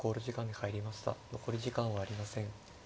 残り時間はありません。